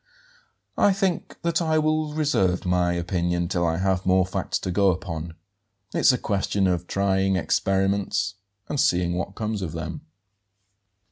"I think that I will reserve my opinion till I have more facts to go upon. It's a question of trying experiments and seeing what comes of them."